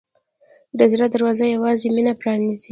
د زړه دروازه یوازې مینه پرانیزي.